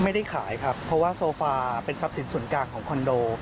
ไม่ได้ขายครับเพราะว่าโซฟาเป็นทรัพย์สินส่วนกลางของคอนโด